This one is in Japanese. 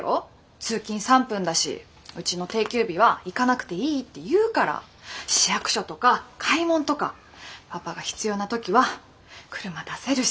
通勤３分だしうちの定休日は行かなくていいって言うから市役所とか買い物とかパパが必要な時は車出せるし。